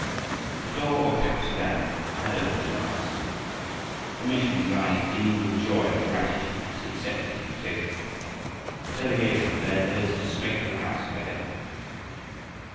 The door of Kap tsu lan had opened at last! The missionary's eyes gleamed with joy and gratitude as he accepted the invitation. The delegation led the visitors straight to the house of the headman.